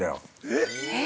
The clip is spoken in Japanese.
◆えっ。